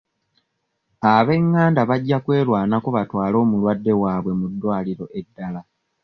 Ab'enganda bajja kwerwanako batwale omulwadde waabwe mu ddwaliro eddala.